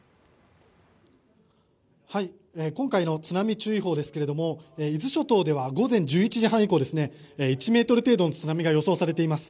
今回の津波注意報ですが伊豆諸島では午前１１時半以降１ｍ程度の津波が予想されています。